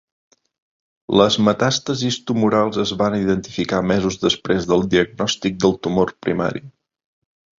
Les metàstasis tumorals es van identificar mesos després del diagnòstic del tumor primari.